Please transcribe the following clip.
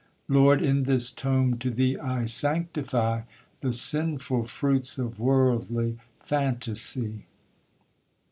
Lord, in this tome to thee I sanctify The sinful fruits of worldly fantasy.